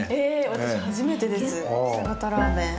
私初めてです喜多方ラーメン。